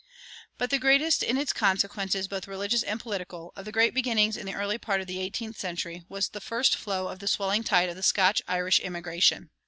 But the greatest in its consequences, both religious and political, of the great beginnings in the early part of the eighteenth century, was the first flow of the swelling tide of the Scotch Irish immigration.